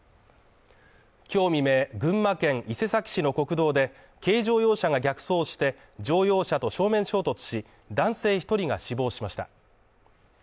今日未明、群馬県伊勢崎市の国道で、軽乗用車が逆走して乗用車と正面衝突し、男性１人が死亡しました。